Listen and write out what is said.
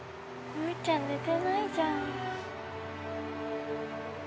むぅちゃん寝てないじゃん。